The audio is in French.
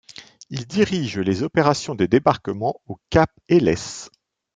Il dirige les opérations de débarquement au Cap Hellès.